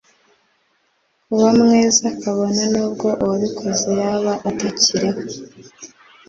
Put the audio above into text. kuba myiza kabone n'ubwo uwabikoze yaba atakiriho